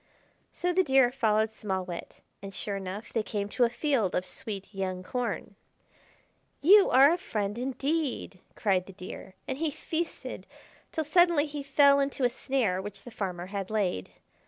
So the Deer followed Small Wit, and, sure enough, they came to a field of sweet young corn. "You are a friend indeed!" cried the Deer, and he feasted till suddenly he fell into a snare which the farmer had laid.